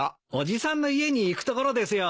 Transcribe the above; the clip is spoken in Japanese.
伯父さんの家に行くところですよ。